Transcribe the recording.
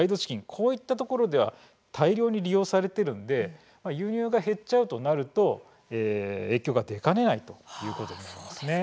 こういったところでは大量に利用されているんでまあ輸入が減っちゃうとなると影響が出かねないということになりますね。